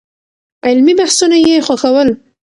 علمي بحثونه يې خوښول.